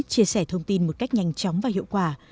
chia sẻ thông tin một cách nhanh chóng và hiệu quả